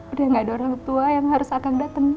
udah gak ada orang tua yang harus akang datang ke sini